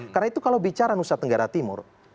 karena itu kalau bicara nusa tenggara timur